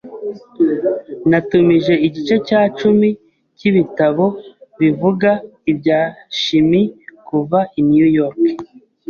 Natumije igice cya cumi cyibitabo bivuga ibya chimie kuva i New York.